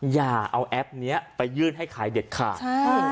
อย่าเอาแอปเนี้ยไปยื่นให้ขายเด็ดขาดใช่